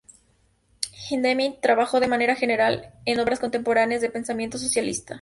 Hindemith trabajó de manera general en obras contemporáneas de pensamiento socialista.